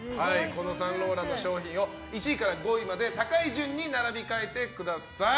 サンローランの商品を１位から５位まで高い順に並び替えてください。